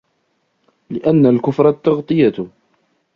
لِأَنَّ الْكُفْرَ التَّغْطِيَةُ